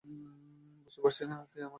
বুঝতে পারছি না আমার কী হয়েছে।